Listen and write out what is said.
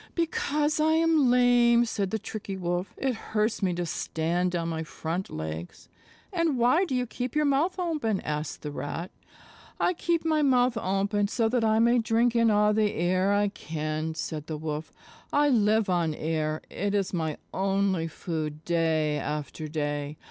"Because I am lame," said the Tricky Wolf. "It hurts me to stand on my front legs." "And why do you keep your mouth open?" asked the Rat. "I keep my mouth open so that I may drink in all the air I can," said the Wolf. "I live on air; it is my only food day after day.